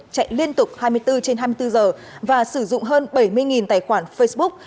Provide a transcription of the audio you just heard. chạy liên tục hai mươi bốn trên hai mươi bốn giờ và sử dụng hơn bảy mươi tài khoản facebook